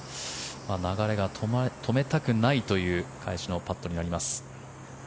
流れが止めたくないという返しのパットになります。